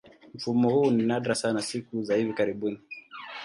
Mfumo huu ni nadra sana siku za hivi karibuni.